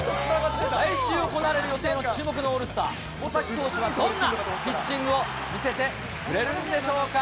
来週行われる予定の、注目のオールスター、佐々木投手はどんなピッチングを見せてくれるんでしょうか。